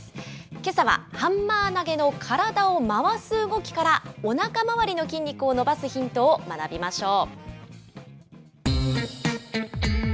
けさはハンマー投げの体を回す動きから、おなか周りの筋肉を伸ばすヒントを学びましょう。